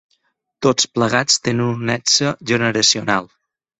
Tots plegats tenen un nexe generacional.